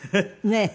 ねえ。